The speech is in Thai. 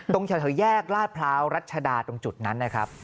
ตรงแถวแยกลาดพร้าวรัชดาตรงจุดนั้นนะครับ